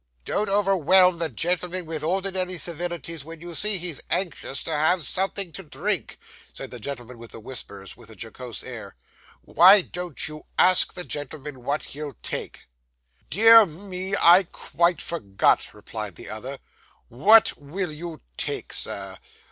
'Don't overwhelm the gentlemen with ordinary civilities when you see he's anxious to have something to drink,' said the gentleman with the whiskers, with a jocose air. 'Why don't you ask the gentleman what he'll take?' 'Dear me, I quite forgot,' replied the other. 'What will you take, sir?